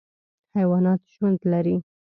حیوانات ژوند لري.